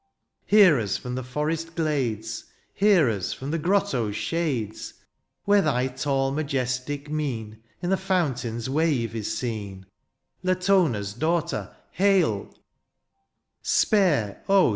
^ Hear us from the forest glades, Hear us from the grottoes shades, ^ Where thy tall majestic mein ^ In the fomitain^s wave is seen :^ Latona^s daughter, hail I •* Spare, oh!